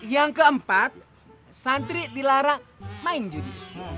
yang keempat santri dilarang main judi